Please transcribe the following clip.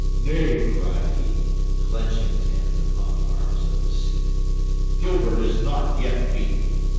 "Nay!" cried he, clenching his hands upon the arms of his seat, "Gilbert is not yet beaten!